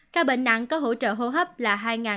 ca bệnh nặng có hỗ trợ hô hấp là hai sáu trăm bốn mươi tám